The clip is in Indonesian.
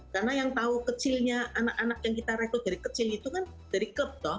karena yang tahu kecilnya anak anak yang kita rekod dari kecil itu kan dari klub